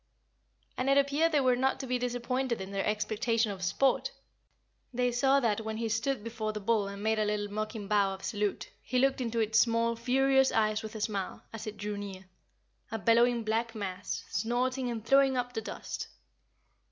And it appeared they were not to be disappointed in their expectation of sport. They saw that when he stood before the bull and made a little mocking bow of salute, he looked into its small, furious eyes with a smile, as it drew near a bellowing black mass, snorting and throwing up the dust.